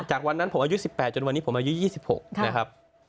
จากวันนั้นผมอายุ๑๘จนวันนี้ผมอายุ๒๖นะครับ